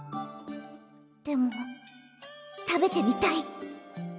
でも食べてみたい！